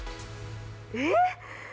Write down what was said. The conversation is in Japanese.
えっ？